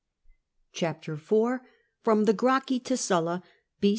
CHAPTEE IV FBOM THE GRACCHI TO SULLA B.